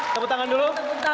tepuk tangan dulu